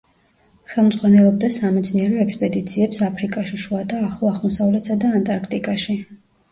ხელმძღვანელობდა სამეცნიერო ექსპედიციებს აფრიკაში, შუა და ახლო აღმოსავლეთსა და ანტარქტიკაში.